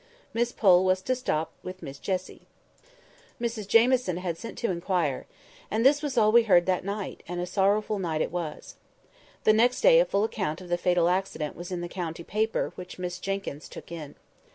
Miss Pole was to stop with Miss Jessie. Mrs Jamieson had sent to inquire. And this was all we heard that night; and a sorrowful night it was. The next day a full account of the fatal accident was in the county paper which Miss Jenkyns took in.